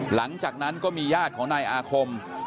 หลังจากนั้นก็มีญาติของนายอาคม